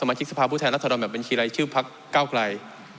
สมาชิกสภาพุทธแทนรัฐธรรมแบบเป็นชีวิตชื่อภักดิ์ก้าวไกล